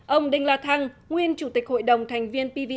ông đinh la thăng nguyên chủ tịch hội đồng thành viên pv